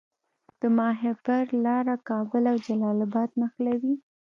د ماهیپر لاره کابل او جلال اباد نښلوي